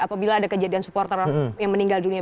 apabila ada kejadian supporter yang meninggal dunia